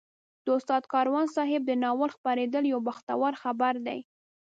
د استاد کاروان صاحب د ناول خپرېدل یو بختور خبر دی.